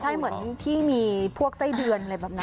ใช่เหมือนที่มีพวกไส้เดือนอะไรแบบนั้น